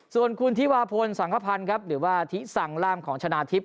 ส่วนคุณธิวาพลสังคพันธ์ครับหรือว่าทิสังล่ามของชนะทิพย